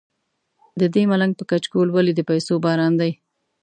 ددې ملنګ په کچکول ولې د پیسو باران دی.